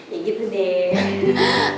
ya gitu deh